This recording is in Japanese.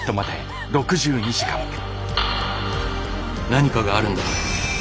何かがあるんだ。